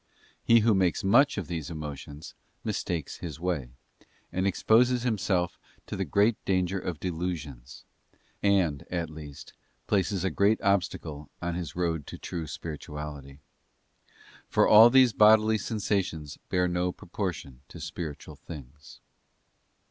He who makes much of these emotions mistakes his way, and exposes himself to the great danger of delusions; and, at least, places a great obstacle on his road to true spirituality. For all these bodily sensations bear no proportion to spiritual things.